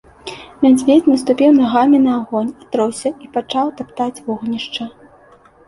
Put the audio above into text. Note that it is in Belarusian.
Мядзведзь наступіў нагамі на агонь, атросся і пачаў таптаць вогнішча.